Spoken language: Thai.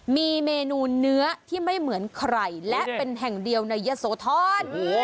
มีเมนูเนื้อที่ไม่เหมือนใครและเป็นแห่งเดียวในยะโสธร